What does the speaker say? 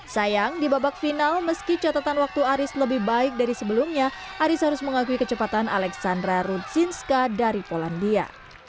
sayang di babak final meski catatan waktu aris lebih baik dari sebelumnya aris harus mengakui kecepatan alexandra rudsinska dari polandia